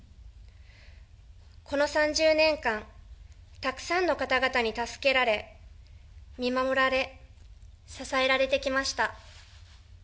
この３０年間、たくさんの方々に助けられ、見守られ、支えられてきました。